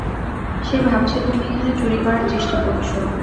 সে ভাবছে তুমি এখানে চুরি করার চেষ্টা করছো।